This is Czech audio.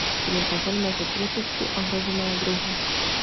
Je řazen mezi kriticky ohrožené druhy.